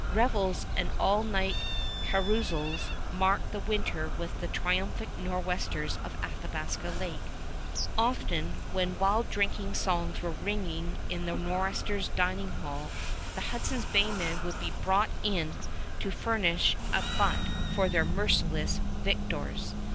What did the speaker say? Revels and all night carousals marked the winter with the triumphant Nor'westers of Athabasca Lake. Often, when wild drinking songs were ringing in the Nor'westers' dining hall, the Hudson's Bay men would be brought in to furnish a butt for their merciless victors.